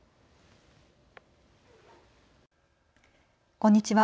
こんにちは。